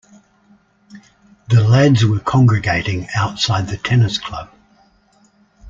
The lads were congregating outside the tennis club.